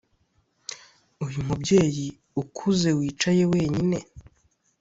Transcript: uyu mubyeyi ukuze wicaye wenyine.